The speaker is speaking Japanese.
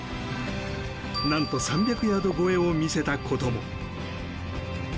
なんと３００ヤード超えを見せたことも。